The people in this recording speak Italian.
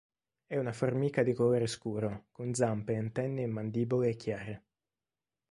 È una formica di colore scuro con zampe, antenne e mandibole chiare.